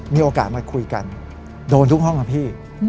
มีโอกาสมาคุยกันโดนทุกห้องครับพี่